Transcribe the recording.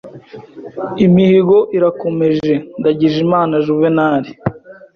Imihigo Irakomeje; Ndagijimana Juvenali